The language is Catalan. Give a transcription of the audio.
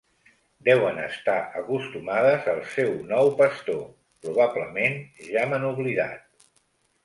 Duen estar acostumades al seu nou pastor, probablement ja m'han oblidat.